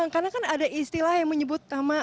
karena kan ada istilah yang menyebut nama